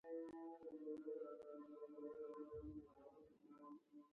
ایا ستاسو وخت مې ضایع نکړ؟